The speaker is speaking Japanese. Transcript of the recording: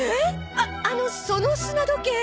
ああのその砂時計。